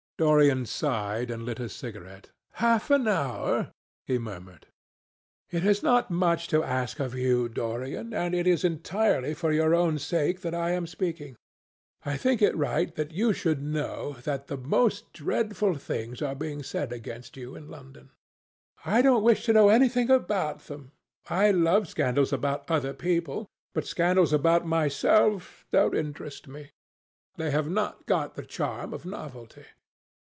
Dorian sighed and lit a cigarette. "Half an hour!" he murmured. "It is not much to ask of you, Dorian, and it is entirely for your own sake that I am speaking. I think it right that you should know that the most dreadful things are being said against you in London." "I don't wish to know anything about them. I love scandals about other people, but scandals about myself don't interest me. They have not got the charm of novelty."